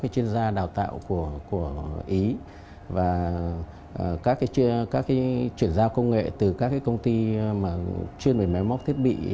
chuyên gia đào tạo của ý và các chuyển giao công nghệ từ các công ty chuyên về máy móc thiết bị